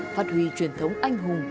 phát huy truyền thống anh hùng